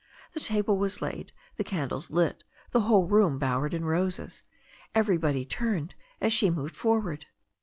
The table was laid, the candles lit, the whole room bowered in roses. Everybody turned as she moved forward.